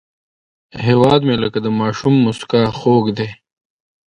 هیواد مې لکه د ماشوم موسکا خوږ دی